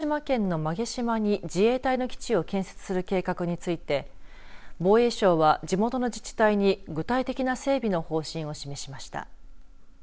鹿児島県の馬毛島に自衛隊の基地を建設する計画について防衛省は地元の自治体に具体的な整備の方針を示しました。